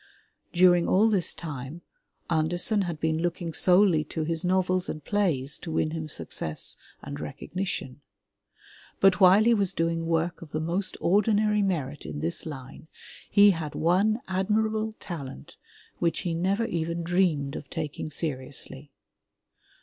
During all this time Andersen had been looking solely to his novels and plays to win him success and recognition. But while he was doing work of the most ordinary merit in this line he had one admirable talent which he never even dreamed of taking seriously.